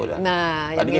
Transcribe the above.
nah yang itu